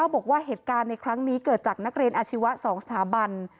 บอกว่าเหตุการณ์ในครั้งนี้เกิดจากนักเรียนอาชีวะ๒สถาบัน